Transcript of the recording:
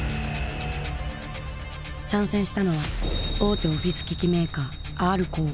参戦したのは大手オフィス機器メーカーＲコー。